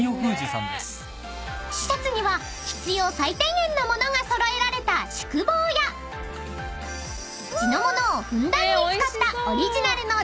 ［施設には必要最低限の物が揃えられた宿坊や地の物をふんだんに使ったオリジナルの］